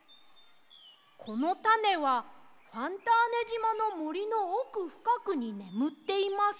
「このタネはファンターネじまのもりのおくふかくにねむっています」。